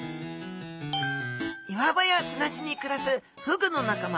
岩場や砂地にくらすフグの仲間